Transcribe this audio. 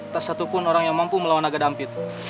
tak satupun orang yang mampu melawan naga dampit